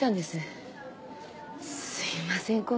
すみません